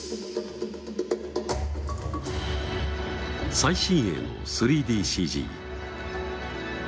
最新鋭の３ＤＣＧ。